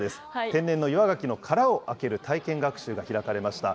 天然の岩ガキの殻を開ける体験学習が開かれました。